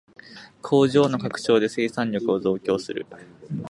工場の拡張で生産力を増強する